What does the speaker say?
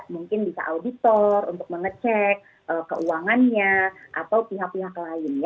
mungkin bisa auditor untuk mengecek keuangannya atau pihak pihak lain